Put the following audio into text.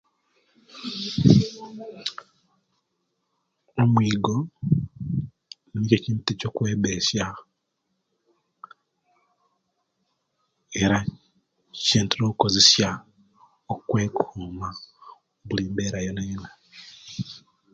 Omuwigo nikyo ekintu ekyo kwebesya era kyentera okozesya okwekuma buli mbera yonayona